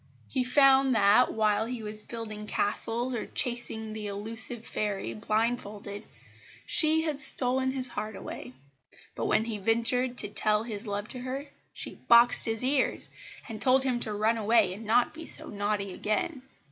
He found that, while he was building castles or chasing the elusive fairy blindfolded, she had stolen his heart away; but when he ventured to tell his love to her she boxed his ears, and told him to run away and not be so naughty again.